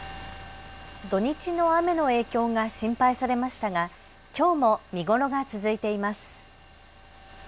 土日の雨の影響が心配されましたが、きょうも見頃が続いています。